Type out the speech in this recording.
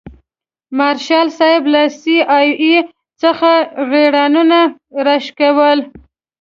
مارشال صاحب له سي آی اې څخه غیرانونه راوشکول.